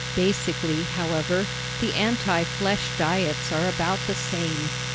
Basically, however, the antiflesh diets are about the same.